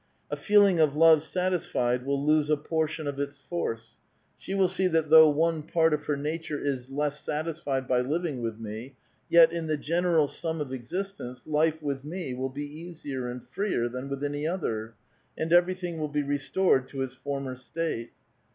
A feeling of love satisfied will lose a por tion of its force ; she will see that though one part of her nature is less satisfied by living with me, yet in the general sum of existence life with me will be easier and freer than with any other, and everything will be restored to its former state.